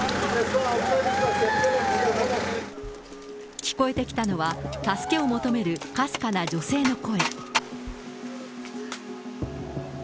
聞こえてきたのは、助けを求めるかすかな女性の声。